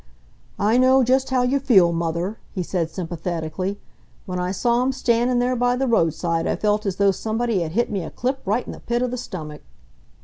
"I know just how you feel, Mother," he said sympathetically. "When I saw 'em standin' there by the roadside I felt as though somebody had hit me a clip right in the pit of the stomach."